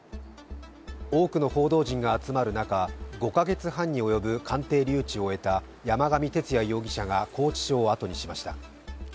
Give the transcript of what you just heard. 多くの報道陣が集まる中５か月半に及ぶ鑑定留置を終えた山上徹也容疑者が拘置所を後にしました。